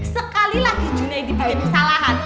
sekali lagi junaid bikin kesalahan